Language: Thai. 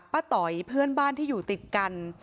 ต๋อยเพื่อนบ้านที่อยู่ติดกัน